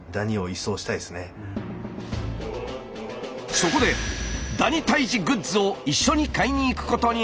そこでダニ退治グッズを一緒に買いに行くことに。